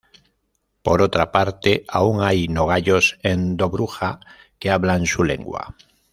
Por otra parte, aún hay nogayos en Dobruja que hablan su lengua.